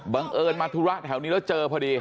เอิญมาธุระแถวนี้แล้วเจอพอดี